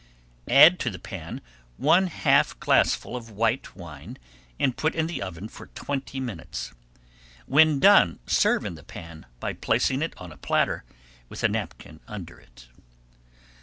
Add to the pan one half glassful of white wine and put in the oven for twenty minutes. When done serve in the pan by placing it on a platter, with a napkin under it.